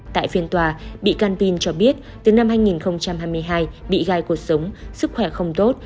tại phiên tòa bị can pin cho biết từ năm hai nghìn hai mươi hai bị gai cuộc sống sức khỏe không tốt